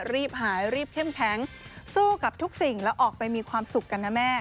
รีบหายรีบเข้มแข็งสู้กับทุกสิ่งแล้วออกไปมีความสุขกันนะแม่